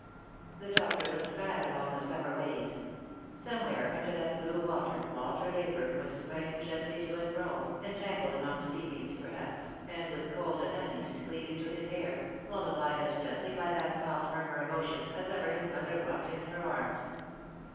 The doctor looked back along the summer waves. Some where under that blue water Walter Leyburne was swaying gently to and fro, entangled among sea weeds perhaps, and with cold anemones cleaving to his hair, lullabied as gently by that soft murmur of ocean as ever his mother rocked him in her arms.